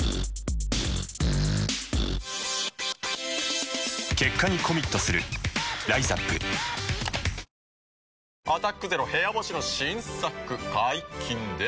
この問題に正解して「アタックＺＥＲＯ部屋干し」の新作解禁です。